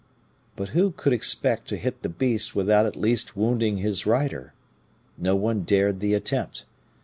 But who could expect to hit the beast without at least wounding his rider? No one dared the attempt.